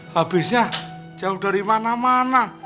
habisnya jauh dari mana mana